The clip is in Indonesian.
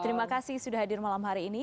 terima kasih sudah hadir malam hari ini